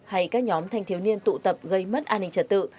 hay các nhóm thanh thiếu niên tụ tập gây mất an ninh trật tự